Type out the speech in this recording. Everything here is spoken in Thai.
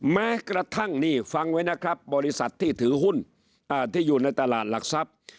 แม้กระทั่งนี่ฟังไว้นะครับบริษัทที่ถือหุ้นที่อยู่ในตลาดหลักทรัพย์